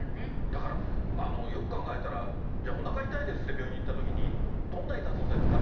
だからよく考えたら、じゃあ、おなか痛いですって病院に行ったときに、どんな痛さですか？